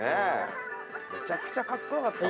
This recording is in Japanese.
「めちゃくちゃ格好よかった」